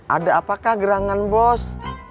ada apakah gerangan bos